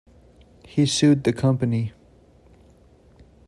He sued the company.